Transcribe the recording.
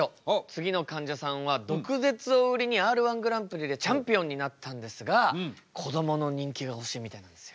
次のかんじゃさんは毒舌を売りにＲー１グランプリでチャンピオンになったんですがこどもの人気が欲しいみたいなんですよ。